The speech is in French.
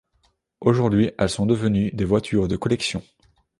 Aujourd'hui, elles sont devenues des voitures de collection.